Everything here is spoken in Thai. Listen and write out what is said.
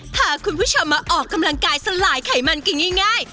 พาคุณผู้ชมมาออกกำลังกายสลายไขมันกันง่าย